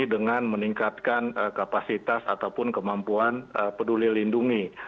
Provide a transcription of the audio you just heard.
dengan meningkatkan kapasitas ataupun kemampuan peduli lindungi